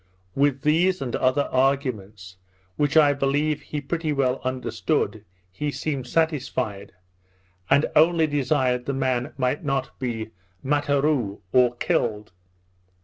With these and other arguments, which I believe he pretty well understood, he seemed satisfied, and only desired the man might not be Matterou (or killed).